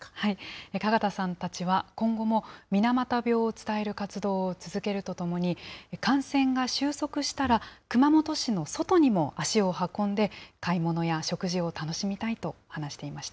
加賀田さんたちは、今後も水俣病を伝える活動を続けるとともに、感染が終息したら、熊本市の外にも足を運んで、買い物や食事を楽しみたいと話していました。